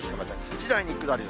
次第に下り坂。